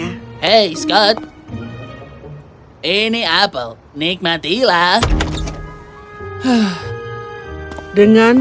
aplegenya sedang memberkati kebenaran intinya sendiri